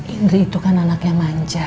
indri itu kan anaknya manca